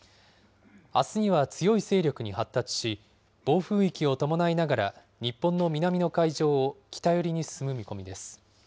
あすには強い勢力に発達し、暴風域を伴いながら日本の南の海上を北寄りに進む見込みです。